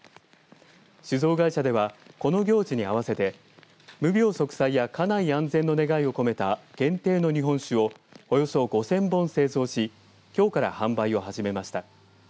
酒造会社ではこの行事に合わせて無病息災や家内安全の願いを込めた限定の日本酒をおよそ５０００本製造しきょうから販売を始めました。